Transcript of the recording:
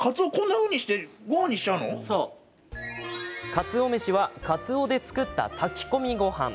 かつお飯はかつおで作った炊き込みごはん。